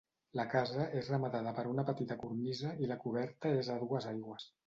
La casa és rematada per una petita cornisa i la coberta és a dues aigües.